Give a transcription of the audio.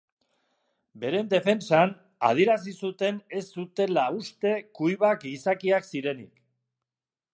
Beren defentsan, adierazi zuten ez zutela uste cuivak gizakiak zirenik.